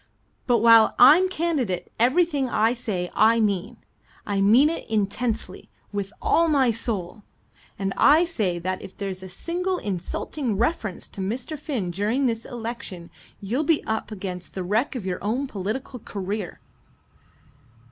"But while I'm candidate everything I say I mean. I mean it intensely with all my soul. And I say that if there's a single insulting reference to Mr. Finn during this election, you'll be up against the wreck of your own political career."